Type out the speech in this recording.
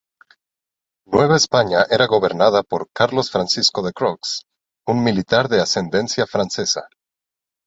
Nueva España era gobernada por Carlos Francisco de Croix, un militar de ascendencia francesa.